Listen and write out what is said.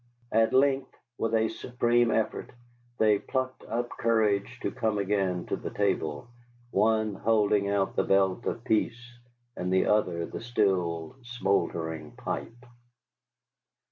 At length with a supreme effort they plucked up courage to come again to the table, one holding out the belt of peace, and the other the still smouldering pipe.